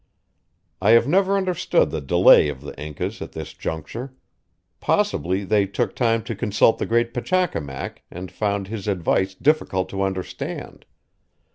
I have never understood the delay of the Incas at this juncture; possibly they took time to consult the great Pachacamac and found his advice difficult to understand.